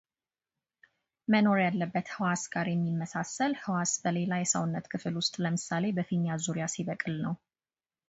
መኖር ያለበት ሕዋስ ጋር የሚመሳሳል ሕዋስ በሌላ የሰውነት ክፍል ውስጥ ለምሳሌ በፊኛ ዙሪያ ሲበቅል ነው።